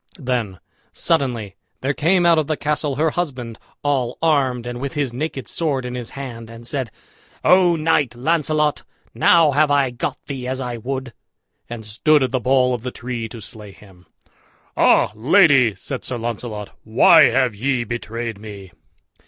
Then suddenly there came out of the castle her husband, all armed, and with his naked sword in his hand, and said, "O Knight Launcelot, now have I got thee as I would," and stood at the boll of the tree to slay him. "Ah, lady!" said Sir Launcelot, "why have ye betrayed me?"